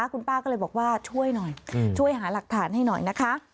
คุณป้าก็เลยบอกว่าช่วยหน่อยช่วยหาหลักฐานให้หน่อยนะคะ